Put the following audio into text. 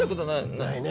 ないね。